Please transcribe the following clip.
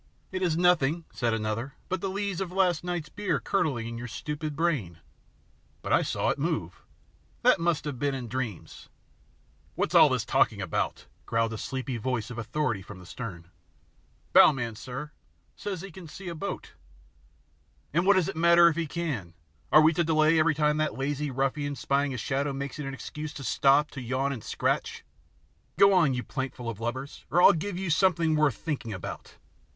"It is nothing," said another, "but the lees of last night's beer curdling in your stupid brain." "But I saw it move." "That must have been in dreams." "What is all that talking about?" growled a sleepy voice of authority from the stern. "Bow man, sir, says he can see a boat." "And what does it matter if he can? Are we to delay every time that lazy ruffian spying a shadow makes it an excuse to stop to yawn and scratch? Go on, you plankful of lubbers, or I'll give you something worth thinking about!"